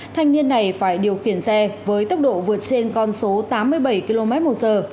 thanh niên này phải điều khiển xe với tốc độ vượt trên con số tám mươi bảy km một giờ